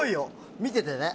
見ててね。